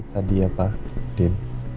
tadi ya pak din